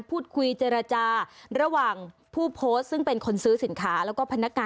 พี่จะเอาไหมล่ะครับผม